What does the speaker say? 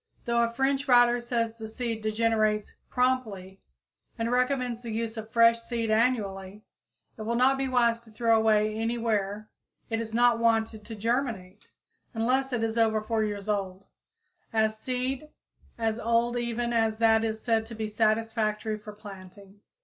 Though a French writer says the seed degenerates "promptly," and recommends the use of fresh seed annually, it will not be wise to throw away any where it is not wanted to germinate, unless it is over four years old, as seed as old even as that is said to be satisfactory for planting.